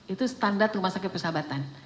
itu standar rumah sakit persahabatan